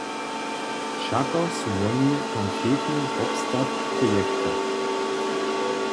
Wšako su woni konkretny wobstatk projekta.